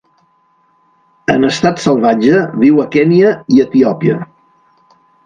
En estat salvatge, viu a Kenya i Etiòpia.